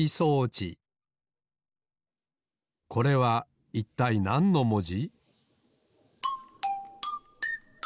これはいったいなんのもじ？